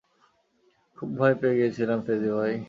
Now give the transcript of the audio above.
খুব ভয় পেয়ে গিয়েছিলাম, ফেজি ভাই।